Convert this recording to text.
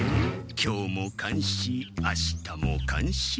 今日もかんしあしたもかんし。